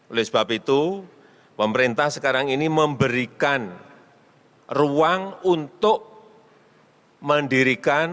oleh sebab itu pemerintah sekarang ini memberikan ruang untuk mendirikan